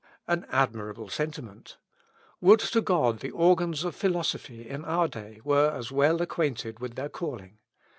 An admirable sentiment! Would to God the organs of philosophy, in our day, were as well acquainted with their calling!